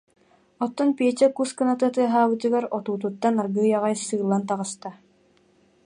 Оттон Петя кус кыната тыаһаабытыгар отуутуттан аргыый аҕай сыылан таҕыста